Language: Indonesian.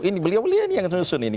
ini beliau beliau yang nusun ini